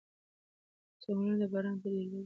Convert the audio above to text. ځنګلونه د باران په ډېرېدو کې مرسته کوي.